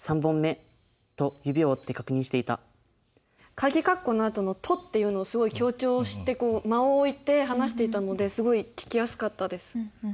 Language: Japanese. かぎ括弧のあとの「と」というのをすごい強調してこう間を置いて話していたのですごい聞きやすかったですはい。